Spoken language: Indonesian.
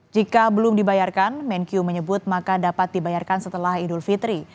jika belum dibayarkan menkyu menyebut maka dapat dibayarkan setelah idul fitri